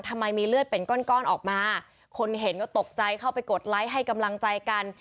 ทำไมมีเลือดเป็นก้อนก้อนออกมาคนเห็นก็ตกใจเข้าไปกดไลค์ให้กำลังใจกัน